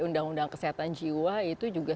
undang undang kesehatan jiwa itu juga